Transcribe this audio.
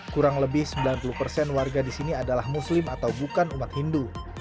kurang lebih sembilan puluh persen warga di sini adalah muslim atau bukan umat hindu